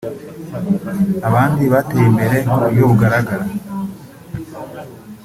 abandi bateye imbere ku buryo bugaragara